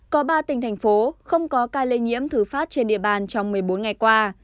có ba tỉnh thành phố không có ca lây nhiễm thứ phát trên địa bàn trong một mươi bốn ngày qua